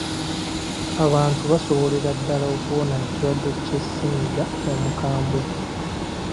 Abantu basobolera ddala okuwona ekirwadde kya ssennyiga omukambwe.